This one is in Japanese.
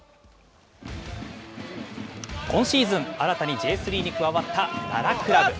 今シーズン、新たにＪ３に加わった奈良クラブ。